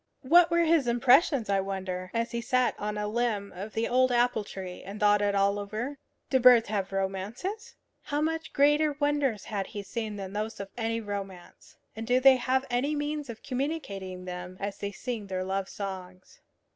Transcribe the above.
What were his impressions, I wonder, as he sat on a limb of the old apple tree and thought it all over? Do birds have romances? How much greater wonders had he seen than those of any romance! And do they have any means of communicating them, as they sing their love songs?